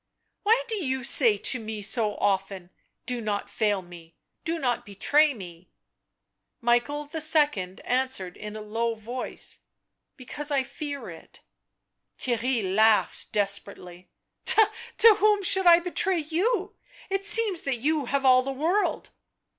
" Why do you say to me so often, ' do not fail me, do not betray me '?" Michael II. answered in a low voice r " Because I fear it." Theirry laughed desperately. " To whom should I betray you ! It seems that you have all the world